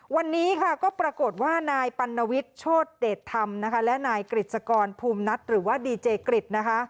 วันนี้ค่ะก็ปรากฏว่านายปัณวิทย์โชธเดชธรรมนะคะและนายกฤษกรภูมินัทหรือว่าดีเจกริจนะคะ